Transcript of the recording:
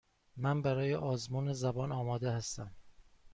من برای آزمون زبان آماده هستم.